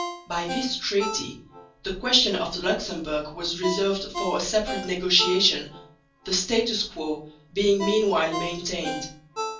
By this treaty the question of Luxemburg was reserved for a separate negotiation, the status quo being meanwhile maintained.